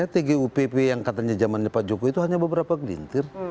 tgupp yang katanya zaman pak jokowi itu hanya beberapa gelintir